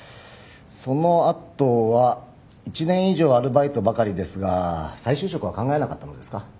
その後は１年以上アルバイトばかりですが再就職は考えなかったのですか？